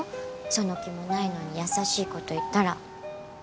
その気もないのに優しいこと言ったら。